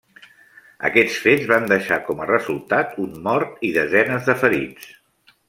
Aquests fets van deixar com a resultat un mort i desenes de ferits.